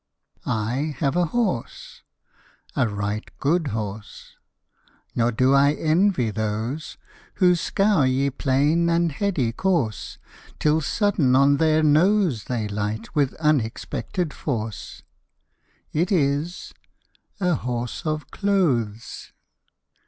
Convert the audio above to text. I have a horse a ryghte goode horse Ne doe I envye those Who scoure y{e} playne yn headye course Tyll soddayne on theyre nose They lyghte wyth unexpected force Yt ys a horse of clothes.